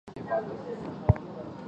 昏果岛县得名于昏果岛。